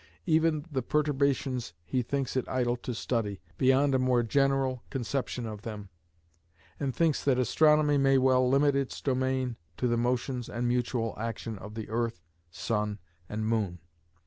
Even the perturbations he thinks it idle to study, beyond a mere general conception of them, and thinks that astronomy may well limit its domain to the motions and mutual action of the earth, sun, and moon.